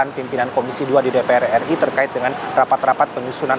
pimpinan komisi dua di dpr ri terkait dengan rapat rapat penyusunan